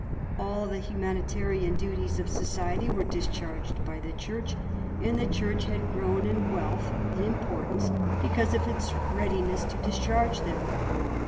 All the humanitarian duties of society were discharged Ijy the Church, and the Church had grown in wealth and importance because of its readi ness to discharge them.